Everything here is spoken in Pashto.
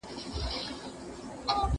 انا ماشوم ته په قهر شوه او هغه یې وشړل.